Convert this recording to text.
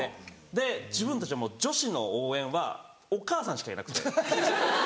で自分たちは女子の応援はお母さんしかいなくて。